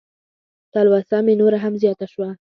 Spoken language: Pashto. تلوسه مې نوره هم زیاته شوه.